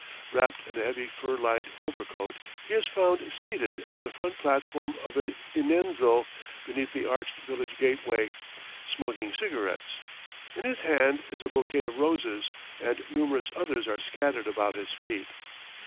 Wrapped in a heavy fur lined over coat, he is found seated on the front platform of a inenzil beneath the arched village gateway, smoking cigarettes; in his hand is a bouquet of roses, and numerous others are scattered about his feet.